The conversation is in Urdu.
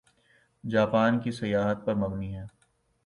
جاپان کی سیاحت پر مبنی ہے